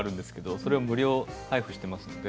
それを無料配付しています。